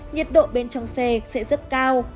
nhiệt độ bên trong xe sẽ rất cao